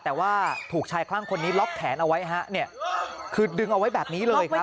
แต่ว่าถูกชายคลั่งคนนี้ล็อกแขนเอาไว้ฮะเนี่ยคือดึงเอาไว้แบบนี้เลยครับ